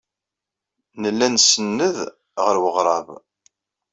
Nella nsenned ɣer weɣrab.